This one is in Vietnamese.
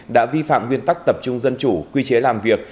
đã vi phạm nguyên tắc tập trung dân chủ quy chế làm việc